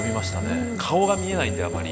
顔が見えないんであまり。